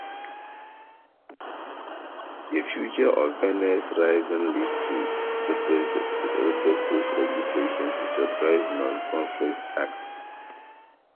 The failure of Venner's Rising led to repressive legislation to suppress non-conformist sects.